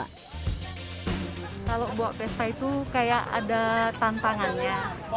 kalau buat vespa itu kayak ada tantangannya